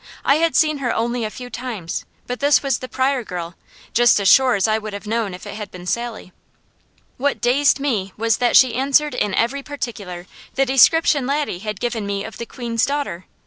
I had seen her only a few times, but this was the Pryor girl, just as sure as I would have known if it had been Sally. What dazed me was that she answered in every particular the description Laddie had given me of the Queen's daughter.